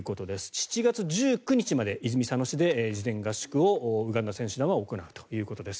７月１９日まで泉佐野市で事前合宿をウガンダ選手団は行うということです。